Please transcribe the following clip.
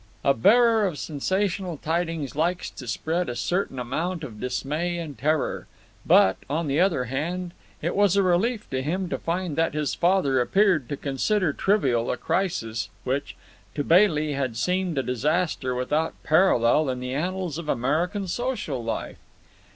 A bearer of sensational tidings likes to spread a certain amount of dismay and terror; but, on the other hand, it was a relief to him to find that his father appeared to consider trivial a crisis which, to Bailey, had seemed a disaster without parallel in the annals of American social life.